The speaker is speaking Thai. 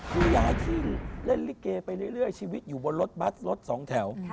คือยายซึ่งเล่นลิเกไปเรื่อยชีวิตอยู่บนรถบัสรถสองแถว